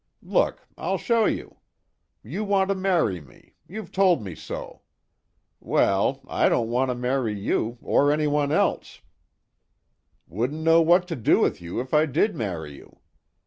Look, I'll show you! You want to marry me you've told me so. Well, I don't want to marry you, or anyone else wouldn't know what to do with you if I did marry you.